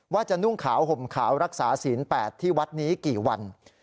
ว่าจะนุ่งขาวห่มขาวรักษาศีล๘ที่วัดนี้กี่วัน